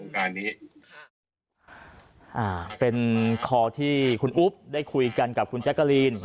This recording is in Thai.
การนี้เป็นคอที่คุณอุ๊บได้คุยกันกับคุณแจ๊กกะลีน